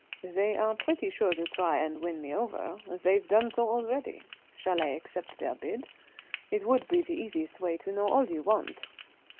"They are pretty sure to try and win me over, they've done so already. Shall I accept their bid? It would be the easiest way to know all you want."